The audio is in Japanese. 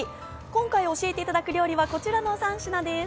今回、教えていただく料理はこちらの３品です。